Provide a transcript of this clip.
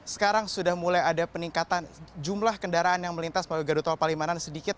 sekarang sudah mulai ada peningkatan jumlah kendaraan yang melintas melalui gadu tol palimanan sedikit